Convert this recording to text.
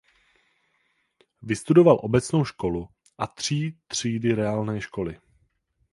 Vystudoval obecnou školu a tří třídy reálné školy.